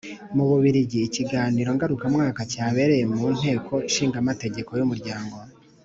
Mu Bubiligi ikiganiro ngarukamwaka cyabereye mu Nteko Ishinga Amategeko y Umuryango